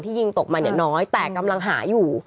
ยิงตกมาเนี่ยน้อยแต่กำลังหาอยู่